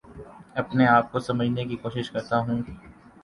اپنے آپ کو سمجھنے کی کوشش کرتا ہوں